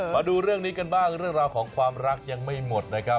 มาดูเรื่องนี้กันบ้างเรื่องราวของความรักยังไม่หมดนะครับ